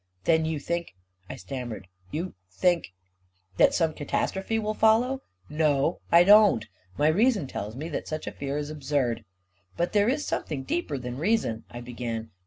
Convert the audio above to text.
" Then you think," I stammered, " you think ..." 11 That some catastrophe will follow ? No, I don't I My reason tells me that such a fear is ab surd." " But there is something deeper than reason," I began.